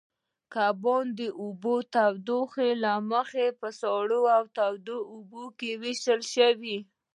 کبان د اوبو تودوخې له مخې په سړو او تودو اوبو وېشل شوي.